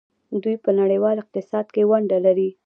دوی په نړیوال اقتصاد کې ونډه لري.